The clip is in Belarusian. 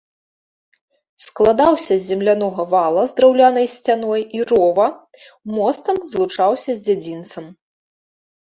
Складаўся з землянога вала з драўлянай сцяной і рова, мостам злучаўся з дзядзінцам.